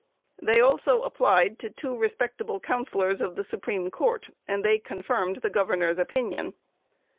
They also applied to two respectable counsellors of the Supreme Court, and they confirmed the Governor's opinion.